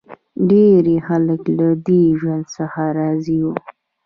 ډېری خلک له دې ژوند څخه راضي وو